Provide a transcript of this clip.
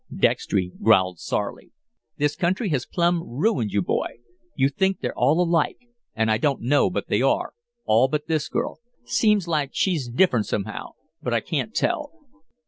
Dextry growled sourly. "This country has plumb ruined you, boy. You think they're all alike an' I don't know but they are all but this girl. Seems like she's different, somehow but I can't tell."